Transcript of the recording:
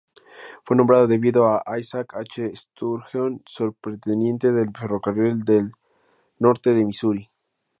Fue nombrada debido a Isaac H. Sturgeon, superintendente del Ferrocarril del Norte de Missouri.